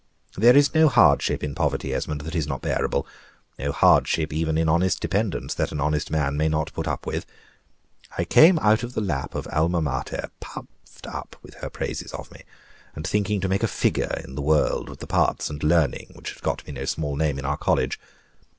"There is no hardship in poverty, Esmond, that is not bearable; no hardship even in honest dependence that an honest man may not put up with. I came out of the lap of Alma Mater, puffed up with her praises of me, and thinking to make a figure in the world with the parts and learning which had got me no small name in our college.